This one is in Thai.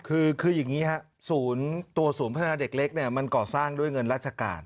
คืออย่างนี้ครับศูนย์ตัวศูนย์พัฒนาเด็กเล็กเนี่ยมันก่อสร้างด้วยเงินราชการ